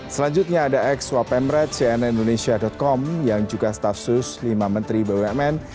selanjutnya ada ex wapemret cnn indonesia com yang juga staf sus lima menteri bumn